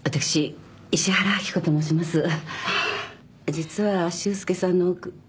実は修介さんの奥。